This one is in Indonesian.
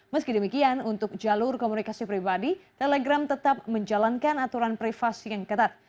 meski demikian untuk jalur komunikasi pribadi telegram tetap menjalankan aturan privasi yang ketat